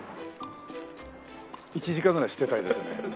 １時間ぐらい吸ってたいですね。